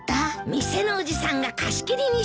店のおじさんが貸し切りにしてくれたんだ。